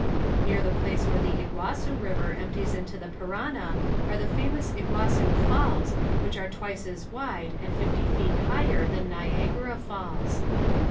Near the place where the Iguassu river empties into the Parana are the famous Iguassu Falls which are twice as wide and fifty feet higher than Niagara Falls.